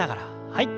はい。